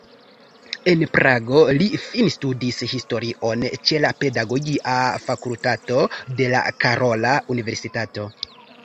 En Prago li finstudis historion ĉe la pedagogia fakultato de la Karola Universitato.